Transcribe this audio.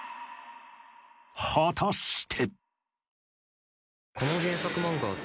果たして？